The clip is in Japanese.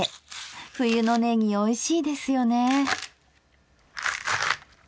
冬のねぎおいしいですよね。